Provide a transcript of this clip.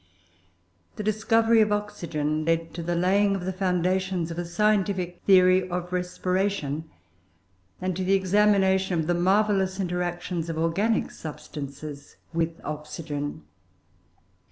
The discovery of oxygen led to the laying of the foundations of a scientific theory of respiration, and to an examination of the marvellous interactions of organic substances with oxygen.